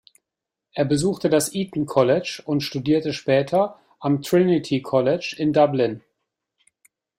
Er besuchte das Eton College und studierte später am Trinity College in Dublin.